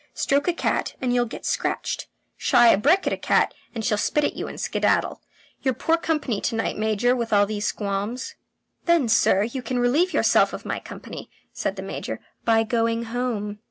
"Stroke a cat and you'll get scratched. Shy a brick at a cat, and she'll spit at you and skedaddle. You're poor company to night, Major, with all these qualms." "Then, sir, you can relieve yourself of my company," said the Major, "by going home."